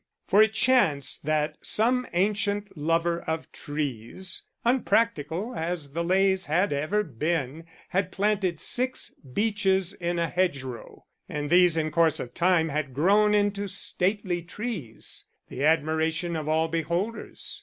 For it chanced that some ancient lover of trees, unpractical as the Leys had ever been, had planted six beeches in a hedgerow, and these in course of time had grown into stately trees, the admiration of all beholders.